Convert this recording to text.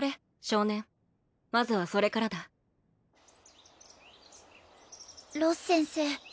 少年まずはそれからだロス先生